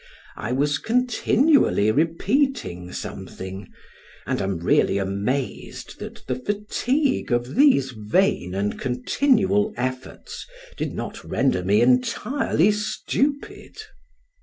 I was continually repeating something, and am really amazed that the fatigue of these vain and continual efforts did not render me entirely stupid.